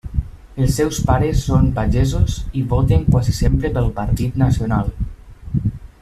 Els seus pares són pagesos i voten quasi sempre pel Partit Nacional.